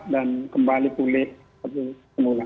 dan kembali pulih kembali semula